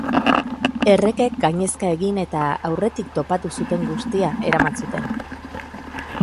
Errekek gainezka egin eta aurretik topatu zuten guztia eraman zuten.